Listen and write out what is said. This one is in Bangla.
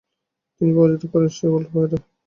তিনি পরাজিত করেন সেই ওয়ার্ল্ড ফেয়ারে।